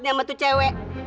nyampe tuh cewek